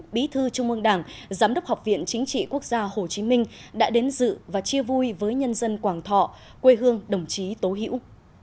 bí thư trung ương đảng giám đốc học viện chính trị quốc gia hồ chí minh đã đến dự và chia vui với nhân dân quảng thọ quê hương đồng chí tố hữu